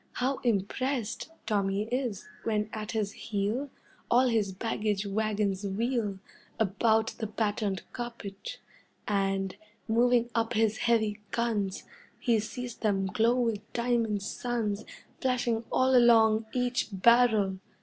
How impressed Tommy is when at his heel All his baggage wagons wheel About the patterned carpet, and Moving up his heavy guns He sees them glow with diamond suns Flashing all along each barrel.